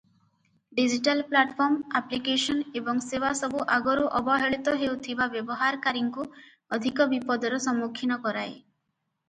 Digital platform, application ଏବଂ ସେବାସବୁ ଆଗରୁ ଅବହେଳିତ ହେଉଥିବା ବ୍ୟବହାରକାରୀଙ୍କୁ ଅଧିକ ବିପଦର ସମ୍ମୁଖୀନ କରାଏ ।